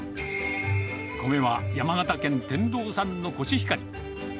米は山形県天童産のコシヒカリ。